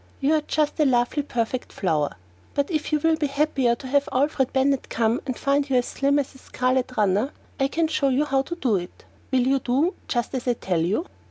"You are just a lovely perfect flower, but if you will be happier to have Alfred Bennett come and find you as slim as a scarlet runner, I can show you how to do it. Will you do just as I tell you?"